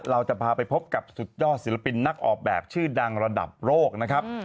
เราจะพาไปพบกับสุดยอดศิลปินนักออกแบบชื่อดังระดับโลกนะครับ